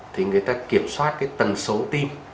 thì người ta kiểm soát cái tần số tim